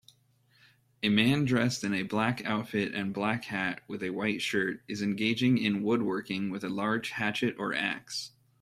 A man dressed in a black outfit and black hat with a white shirt is engaging in woodworking with a large hatchet or axe